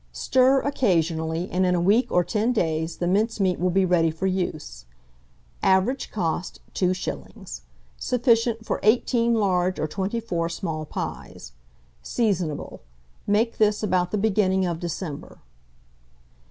Stir occasionally, and in a week or 10 days the mincemeat will be ready for use. Average cost, 2s. Sufficient for 18 large or 24 small pies. Seasonable. Make this about the beginning of December.